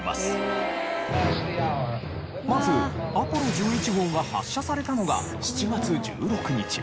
まずアポロ１１号が発射されたのが７月１６日。